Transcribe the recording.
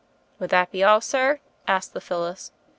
"Would that be all, sir?" asked the Phyllis.